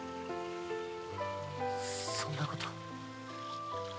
そんなこと。